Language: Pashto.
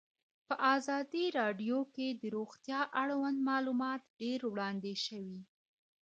په ازادي راډیو کې د روغتیا اړوند معلومات ډېر وړاندې شوي.